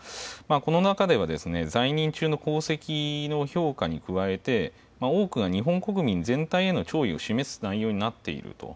この中では、在任中の功績の評価に加えて、多くが日本国民全体への弔意を示す内容になっていると。